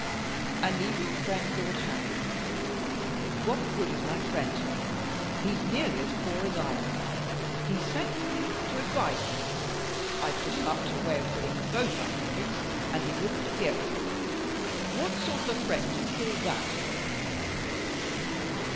"And leave your friend, Lord Harry?" "What good is my friend to me? He's nearly as poor as I am he sent for me to advise him I put him up to a way of filling both our pockets, and he wouldn't hear of it. What sort of a friend do you call that?"